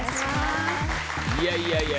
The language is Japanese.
いやいやいや。